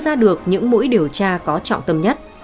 để đưa ra được những mũi điều tra có trọng tâm nhất